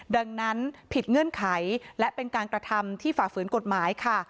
ดังนั้นผิดเงื่อนไขและเป็นการกระทำที่ฝ่าฝืนกฎหมายค่ะ